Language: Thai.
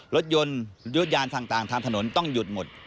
รถยนต์ยุดยานต่างทางถนนต้องหยุดหมด